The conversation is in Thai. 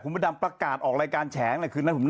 ให้ข่ายนั่งหาย